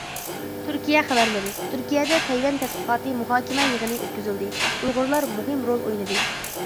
تۈركىيە خەۋەرلىرى تۈركىيەدە تەيۋەن تەتقىقاتى مۇھاكىمە يېغىنى ئۆتكۈزۈلدى !ئۇيغۇرلار مۇھىم رول ئوينىدى!